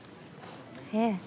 ええ。